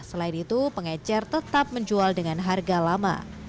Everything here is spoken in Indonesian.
selain itu pengecer tetap menjual dengan harga lama